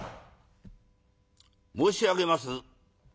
「申し上げます」。